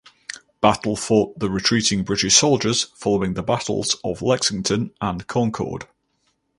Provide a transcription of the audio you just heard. Battle fought the retreating British soldiers following the battles of Lexington and Concord.